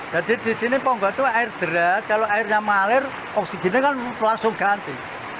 jadi di sini ponggok itu air deras kalau airnya mengalir oksigennya kan langsung ganti